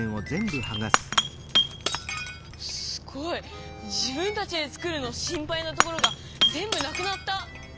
すごい「自分たちで作る」の「心配なところ」がぜんぶなくなった。